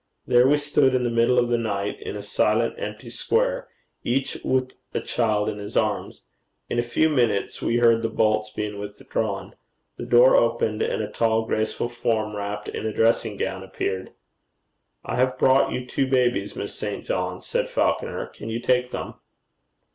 There we stood in the middle of the night, in a silent, empty square, each with a child in his arms. In a few minutes we heard the bolts being withdrawn. The door opened, and a tall graceful form wrapped in a dressing gown, appeared. 'I have brought you two babies, Miss St. John,' said Falconer. 'Can you take them?'